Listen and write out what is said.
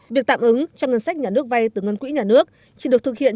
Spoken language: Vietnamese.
việc tạm ứng cho ngân sách nhà nước vay từ ngân quỹ nhà nước chỉ được thực hiện